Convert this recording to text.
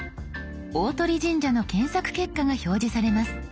大鳥神社の検索結果が表示されます。